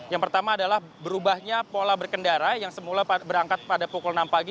yang pertama adalah berubahnya pola berkendara yang semula berangkat pada pukul enam pagi